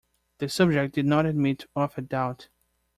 The subject did not admit of a doubt.